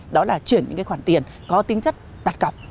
đó là chuyển những khoản tiền có tính chất đặt cọc